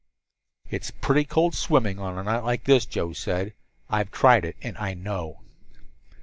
"It's pretty cold swimming on a night like this," said Joe. "I've tried it, and I know."